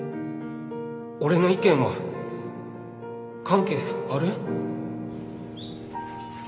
俺の意見は関係ある？